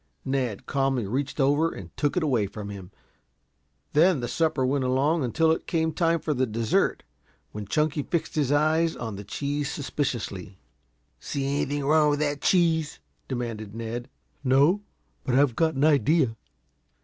Ned calmly reached over and took it away from him; then the supper went along until it came time for the dessert, when Chunky fixed his eyes on the cheese suspiciously. "See anything wrong with that cheese?" demanded Ned. "No, but I've got an idea."